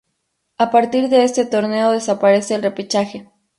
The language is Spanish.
A partir de este torneo desaparece el repechaje.